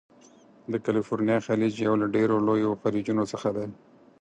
د کلفورنیا خلیج یو له ډیرو لویو خلیجونو څخه دی.